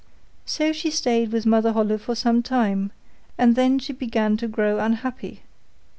So she stayed on with Mother Holle for some time, and then she began to grow unhappy.